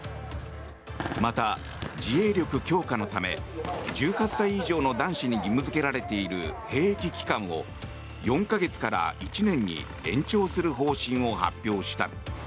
また自衛力強化のため１８歳以上の男子に義務付けられている兵役期間を４か月から１年に延長する方針を発表した。